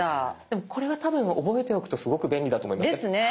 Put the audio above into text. でもこれは多分覚えておくとすごく便利だと思います。ですね。